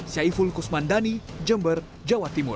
saya iful kusman dhani jember jawa timur